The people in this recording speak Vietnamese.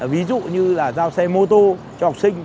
ví dụ như là giao xe mô tô cho học sinh